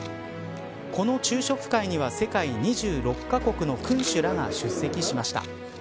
この昼食会には世界２６カ国の君主らが出席しました。